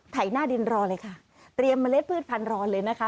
หน้าดินรอเลยค่ะเตรียมเมล็ดพืชพันธอนเลยนะคะ